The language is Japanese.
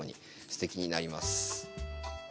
すてきになります。